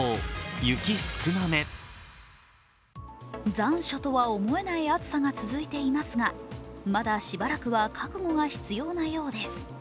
残暑とは思えない暑さが続いていますがまだしばらくは覚悟が必要なようです。